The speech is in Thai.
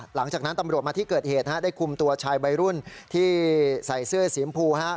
หลังจากนั้นตำรวจมาที่เกิดเหตุฮะได้คุมตัวชายวัยรุ่นที่ใส่เสื้อสีมพูฮะ